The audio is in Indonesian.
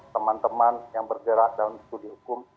teman teman yang bergerak dalam studi hukum